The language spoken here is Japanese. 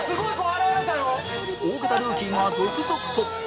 大型ルーキーが続々と